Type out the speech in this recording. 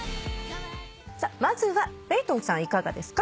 まずはペイトンさんいかがですか？